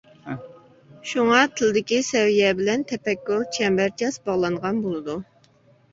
شۇڭا، تىلدىكى سەۋىيە بىلەن تەپەككۇر چەمبەرچاس باغلانغان بولىدۇ.